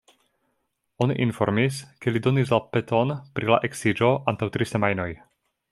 Oni informis ke li donis la peton pri la eksiĝo antaŭ tri semajnoj.